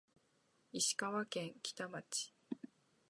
石川県川北町